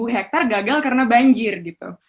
sepuluh hektar gagal karena banjir gitu